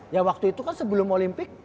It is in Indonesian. ya waktu itu kan sebelum olimpik